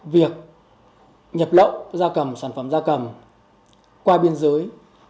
việc nhập lậu da cầm sản phẩm da cầm qua biên giới